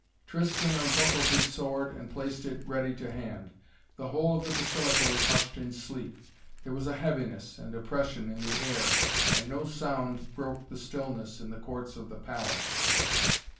Tristan unbuckled his sword and placed it ready to hand. The whole of the Basilica was hushed in sleep. There was a heaviness and oppression in the air, and no sound broke the stillness in the courts of the palace.